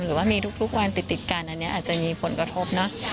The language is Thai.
หรือว่ามีทุกวันติดกันอันนี้อาจจะมีผลกระทบเนอะ